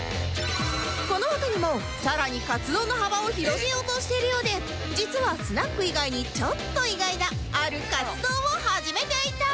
この他にもさらに活動の幅を広げようとしてるようで実はスナック以外にちょっと意外なある活動を始めていた